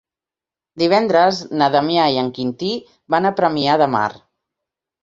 Divendres na Damià i en Quintí van a Premià de Mar.